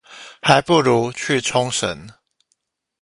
還不如去沖繩